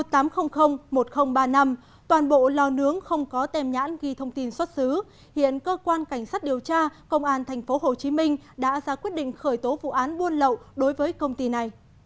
toàn bộ lò nướng không có tèm nhãn ghi thông tin xuất xứ hiện cơ quan cảnh sát điều tra công an tp hcm đã ra quyết định khởi tố vụ án buôn lậu đối với công ty này